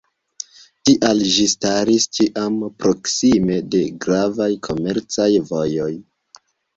Tial ĝi staris ĉiam proksime de gravaj komercaj vojoj.